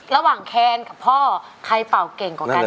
ระหว่างแคลนกับพ่อใครเป่าเก่งกว่ากันนะครับ